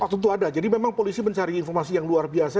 waktu itu ada jadi memang polisi mencari informasi yang luar biasa